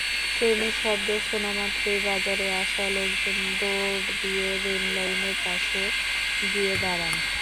ট্রেনের শব্দ শোনামাত্রই বাজারে আসা লোকজন দৌড় দিয়ে রেললাইনের পাশে গিয়ে দাঁড়ান।